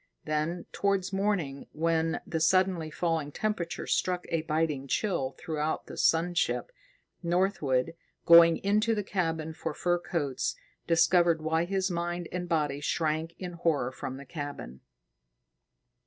Then, towards morning, when the suddenly falling temperature struck a biting chill throughout the sun ship, Northwood, going into the cabin for fur coats, discovered why his mind and body shrank in horror from the cabin.